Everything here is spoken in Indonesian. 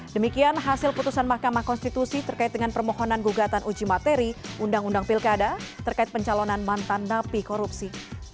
demikian hasil putusan mahkamah konstitusi terkait dengan permohonan gugatan uji materi undang undang pilkada terkait pencalonan mantan napi korupsi